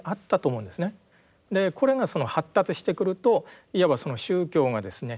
これが発達してくるといわばその宗教がですね